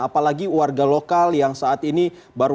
apalagi warga lokal yang saat ini baru